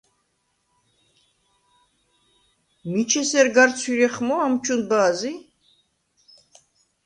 მიჩ ესერ გარ ცვირეხმო ამჩუნ ბა̄ზი?